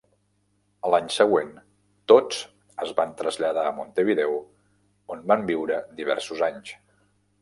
A l'any següent tots es van traslladar a Montevideo on van viure diversos anys.